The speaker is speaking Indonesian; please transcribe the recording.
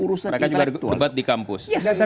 mereka juga debat di kampus